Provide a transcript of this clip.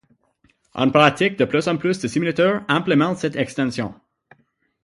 En pratique, de plus en plus de simulateurs implémentent cette extension.